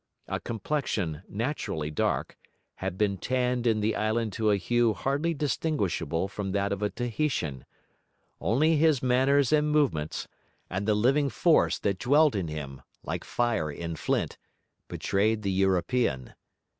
A complexion, naturally dark, had been tanned in the island to a hue hardly distinguishable from that of a Tahitian; only his manners and movements, and the living force that dwelt in him, like fire in flint, betrayed the European.